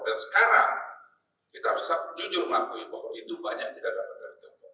dan sekarang kita harus jujur melakui bahwa itu banyak tidak dapat dari tiongkok